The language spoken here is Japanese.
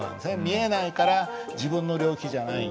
見えないから自分の領域じゃないんです。